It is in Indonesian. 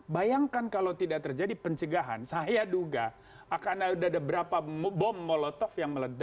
bayangkan kalau tidak terjadi pencegahan saya duga akan ada berapa bom molotov yang meledak